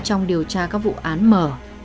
trong điều tra các vụ án mở